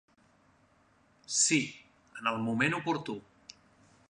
Sí, en el moment oportú.